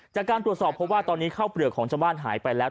จากการตรวจสอบเพราะว่าตอนนี้ข้าวเปลือกของชาวบ้านหายไปแล้ว